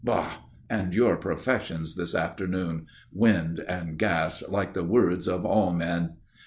Bah! And your professions this afternoon? Wind and gas, like the words of all men."